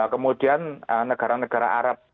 kemudian negara negara arab